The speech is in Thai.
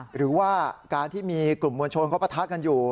หรือว่าการที่มีกลุ่มมวลชนเขาประทะกันอยู่